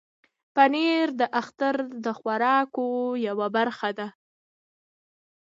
پنېر د اختر د خوراکو یوه برخه ده.